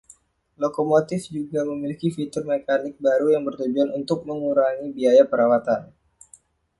Lokomotif juga memakai fitur mekanik baru yang bertujuan untuk mengurangi biaya perawatan.